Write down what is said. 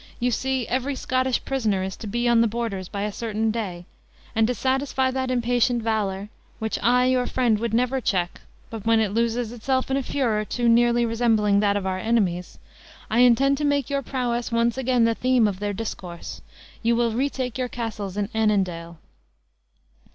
You see every Scottish prisoner is to be on the borders by a certain day; and to satisfy that impatient valor (which I, your friend, would never check, but when it loses itself in a furor too nearly resembling that of our enemies), I intend to make your prowess once again the theme of their discourse. You will retake your castles in Annandale!"